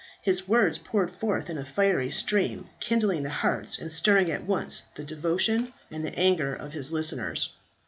His words poured forth in a fiery stream, kindling the hearts, and stirring at once the devotion and the anger of his listeners.